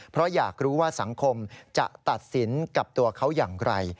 เพราะอยากรู้ว่าสังคมจะตัดสินกับตัวเขาอย่างไร